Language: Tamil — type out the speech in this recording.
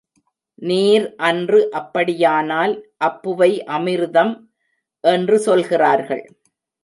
நீர் அன்று அப்படியானால், அப்புவை அமிருதம் என்று சொல்கிறார்கள்.